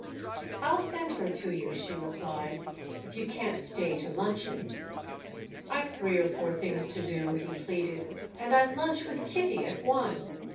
"I'll send her to you," she replied, "if you can't stay to luncheon." "I've three or four things to do," he pleaded, "and I lunch with Kitty at one."